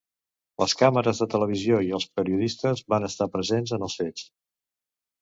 Les càmeres de televisió i els periodistes van estar presents en els fets.